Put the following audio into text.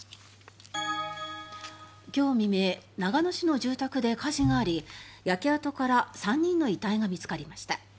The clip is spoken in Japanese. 今日未明長野市の住宅で火事があり焼け跡から３人の遺体が見つかりました。